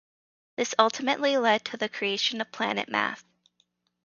This ultimately led to the creation of PlanetMath.